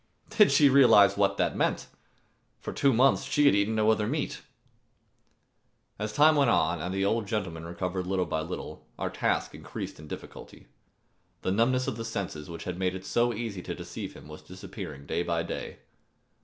Did she realize what that meant! For two months she had eaten no other meat. As time went on and the old gentleman recovered little by little, our task increased in difficulty. The numbness of the senses which had made it so easy to deceive him was disappearing day by day.